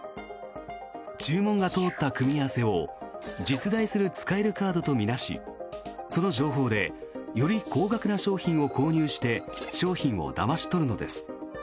注文が通った組み合わせを実在する使えるカードとみなしその情報でより高額な商品を購入して商品をだまし取るのです。